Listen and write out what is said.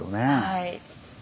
はい。